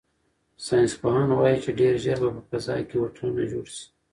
ساینس پوهان وایي چې ډیر ژر به په فضا کې هوټلونه جوړ شي.